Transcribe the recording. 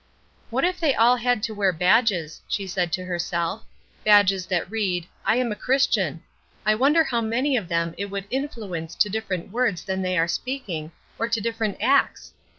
"What if they all had to wear badges," she said to herself, "badges that read 'I am a Christian,' I wonder how many of them it would influence to different words than they are speaking, or to different acts?